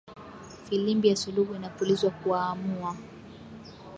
Filimbi ya suluhu inapulizwa kuwaamua!